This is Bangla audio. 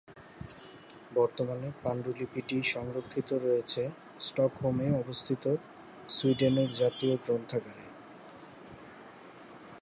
বর্তমানে পাণ্ডুলিপিটি সংরক্ষিত রয়েছে স্টকহোমে অবস্থিত সুইডেনের জাতীয় গ্রন্থাগারে।